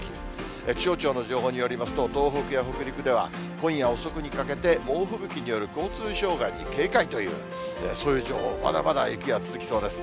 気象庁の情報によりますと、東北や北陸では今夜遅くにかけて、猛吹雪による交通障害に警戒という、そういう情報、まだまだ雪は続きそうです。